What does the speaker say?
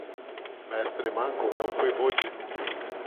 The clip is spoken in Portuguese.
Mestre manco, eu fui rude.